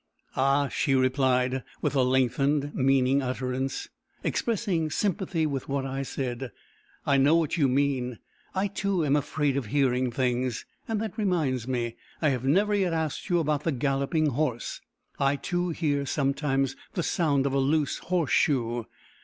"Ah!" she replied, with a lengthened, meaning utterance, expressing sympathy with what I said; "I know what you mean. I, too, am afraid of hearing things. And that reminds me, I have never yet asked you about the galloping horse. I too hear sometimes the sound of a loose horse shoe.